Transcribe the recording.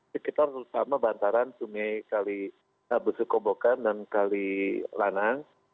sekitar terutama bantaran sungai kali besukobokan dan kali lanang